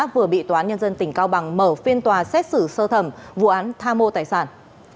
vừa bị toán nhân dân tỉnh cao bằng mở phiên tòa xét xử sơ thẩm vụ án tham ô tài sản